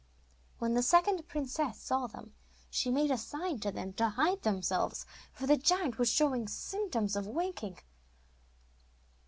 When the second princess saw them, she made a sign to them to hide themselves, for the giant was showing symptoms of waking.